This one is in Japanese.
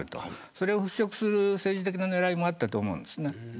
それを払拭する政治的な狙いもあったと思います。